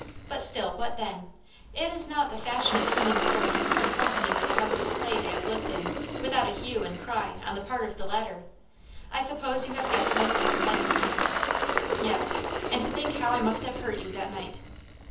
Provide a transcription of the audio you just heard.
But still, what then ? It is not the fashion of human souls to part company with the house of clay they have lived in without a hue and cry on the part of the latter. I suppose you have guessed my secret by this time ?"" Yes. And to think how I must have hurt you that night!"